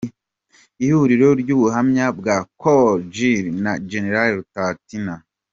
Ihuriro ry’ubuhamya bwa Col Jill na Gen. Rutatina